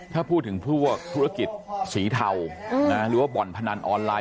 ถ้าพูดถึงพวกธุรกิจสีเทาหรือว่าบ่อนพนันออนไลน